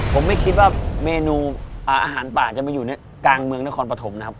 ผมไม่คิดว่าเมนูอาหารป่าจะมาอยู่กลางเมืองนครปฐมนะครับ